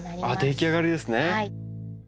出来上がりですね。